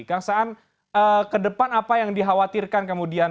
kang saan ke depan apa yang dikhawatirkan kemudian